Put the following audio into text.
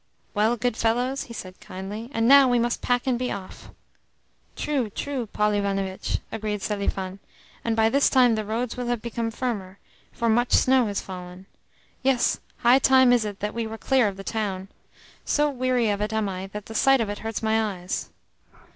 "Well, good fellows?" he said kindly. "And now we must pack and be off." "True, true, Paul Ivanovitch," agreed Selifan. "And by this time the roads will have become firmer, for much snow has fallen. Yes, high time is it that we were clear of the town. So weary of it am I that the sight of it hurts my eyes."